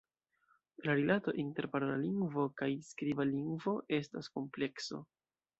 La rilato inter parola lingvo kaj skriba lingvo estas komplekso.